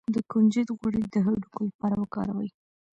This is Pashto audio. د کنجد غوړي د هډوکو لپاره وکاروئ